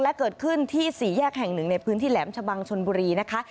และเกิดขึ้นที่สี่แยกแห่งหนึ่งในพื้นที่แหลมชะบังชนบุรีนะคะ